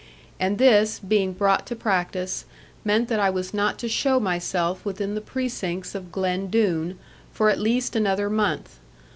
And this, being brought to practice, meant that I was not to show myself within the precincts of Glen Doone, for at least another month.